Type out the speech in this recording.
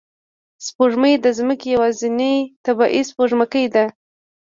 سپوږمۍ د ځمکې یوازینی طبیعي سپوږمکۍ ده